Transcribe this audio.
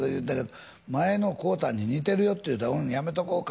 「前の買うたんに似てるよ」って言うたら「やめとこうか」